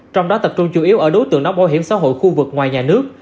trong đó tập trung chủ yếu ở đối tượng đóng bảo hiểm xã hội khu vực ngoài nhà nước